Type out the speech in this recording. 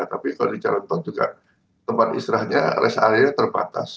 tapi kalau di jalan tol juga tempat istirahatnya rest areanya terbatas